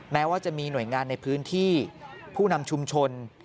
แม้ว่าจะมีหน่วยงานในพื้นที่ผู้นำชุมชน